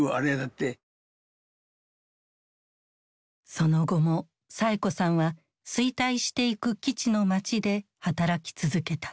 その後もサエ子さんは衰退していく基地の街で働き続けた。